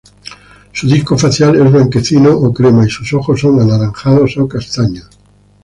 Su disco facial es blanquecino o crema, y sus ojos son anaranjados o castaños.